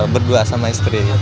berdua sama istri